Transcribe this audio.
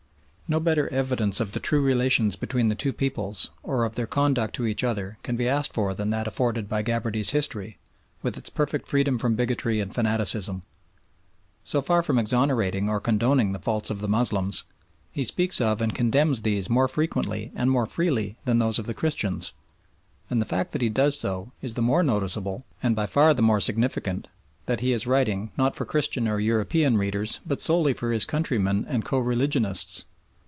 No better evidence of the true relations between the two peoples or of their conduct to each other can be asked for than that afforded by Gabarty's history, with its perfect freedom from bigotry and fanaticism. So far from exonerating or condoning the faults of the Moslems, he speaks of and condemns these more frequently and more freely than those of the Christians, and the fact that he does so is the more noticeable, and by far the more significant, that he was writing, not for Christian or European readers, but solely for his countrymen and coreligionists.